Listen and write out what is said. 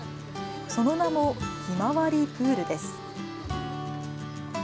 その名も、ひまわりプールです。